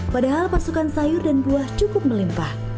padahal pasukan sayur dan buah cukup melimpah